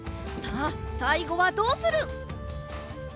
さあさいごはどうする！？